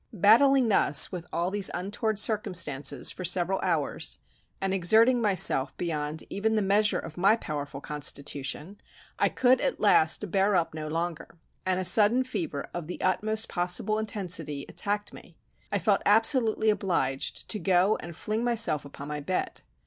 Battling thus with all these untoward circumstances for several hours, and exerting myself beyond even the measure of my powerful constitution, I could at last bear up no longer, and a sudden fever of the utmost possible intensity attacked me. I felt absolutely obliged to go and fling myself upon my bed.